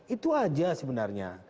itu aja sebenarnya